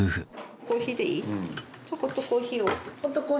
コーヒーでいい？